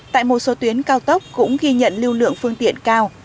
tại một số tuyến cao tốc cũng ghi nhận lưu lượng phương tiện cao